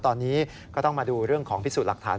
ตอนนี้ก็ต้องมาดูเรื่องของพิสูจน์หลักฐาน